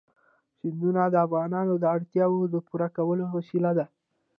سیندونه د افغانانو د اړتیاوو د پوره کولو وسیله ده.